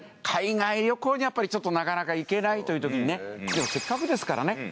海外旅行にはやっぱりちょっとなかなか行けないというときにねでもせっかくですからね